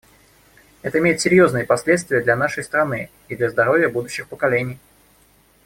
Это имеет серьезные последствия для нашей страны и для здоровья будущих поколений.